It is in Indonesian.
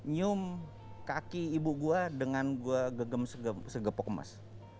nyium kaki ibu gue dengan gue gegem segepok emas